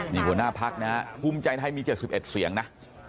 นี่หัวหน้าพักนะฮะภูมิใจไทยมี๗๑เสียงนะ